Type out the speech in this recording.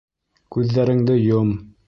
Күҙҙәреңде йом.